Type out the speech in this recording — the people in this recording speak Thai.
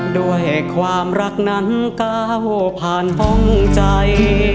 ด้วยความรักนั้นก้าวผ่านพ้องใจ